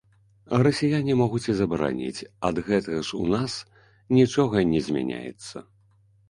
Расіяне могуць і забараніць, ад гэтага ж у нас нічога не змяняецца.